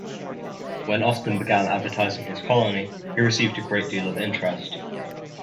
When Austin began advertising his colony, he received a great deal of interest.